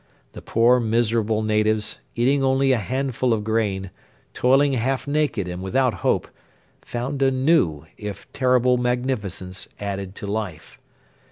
The poor miserable natives, eating only a handful of grain, toiling half naked and without hope, found a new, if terrible magnificence added to life.